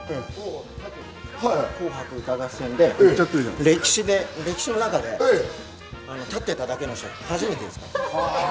紅白歌合戦で、歴史の中で立ってただけの人って初めてです。